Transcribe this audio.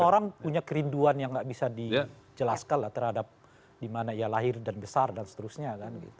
semua orang punya kerinduan yang nggak bisa dijelaskan lah terhadap dimana lahir dan besar dan seterusnya